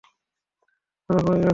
মক্কায় মুসলমানরা খুবই ব্যস্ত।